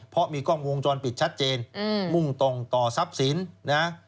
เพราะมีกล้องวงจรปิดชัดเจนมุ่งตรงต่อทรัพย์สินนะ